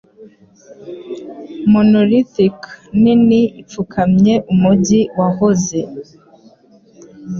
Monolithic nini ipfukamye umujyi wahoze